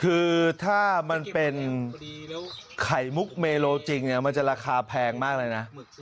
คือถ้ามันเป็นไข่มุกเมโลจริงมันจะราคาแพงมากเลยนะ